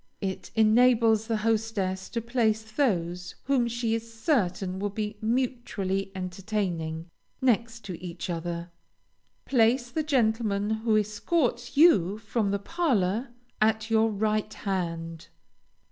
It enables the hostess to place those whom she is certain will be mutually entertaining, next each other. Place the gentleman who escorts you from the parlor at your right hand.